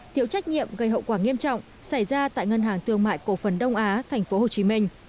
thiếu trách nhiệm gây hậu quả nghiêm trọng xảy ra tại ngân hàng tương mại cổ phần đông á tp hcm